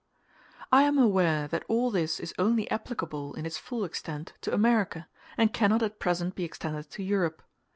I am aware that all this is only applicable in its full extent to America, and cannot at present be extended to Europe.